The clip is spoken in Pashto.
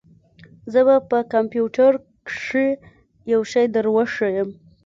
زه به په کمپيوټر کښې يو شى دروښييم.